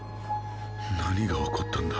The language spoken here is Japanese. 何が起こったんだ。